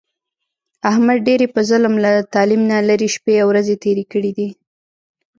احمد ډېرې په ظلم، له تعلیم نه لرې شپې او ورځې تېرې کړې دي.